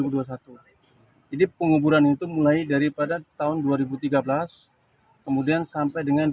dua ribu dua puluh dua ribu dua puluh satu jadi penguburan itu mulai daripada tahun dua ribu tiga belas kemudian sampai dengan dua ribu dua puluh satu